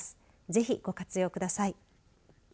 ぜひご活用ください。